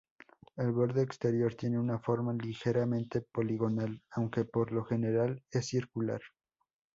El borde exterior tiene una forma ligeramente poligonal, aunque por lo general es circular.